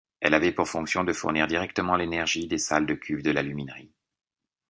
Elle avait pour fonction de fournir directement l'énergie des salles de cuves de l'aluminerie.